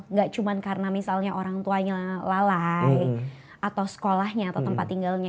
nggak cuma karena misalnya orang tuanya lalai atau sekolahnya atau tempat tinggalnya